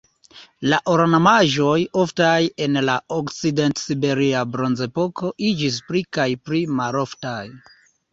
La ornamaĵoj oftaj en la Okcident-Siberia Bronzepoko iĝis pli kaj pli maloftaj.